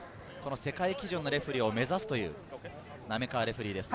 世界基準のレフェリーを目指すという滑川レフェリーです。